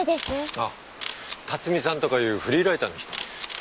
あっ辰巳さんとかいうフリーライターの人。